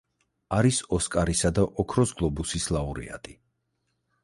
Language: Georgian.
არის ოსკარისა და ოქროს გლობუსის ლაურეატი.